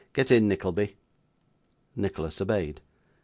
Get in, Nickleby.' Nicholas obeyed.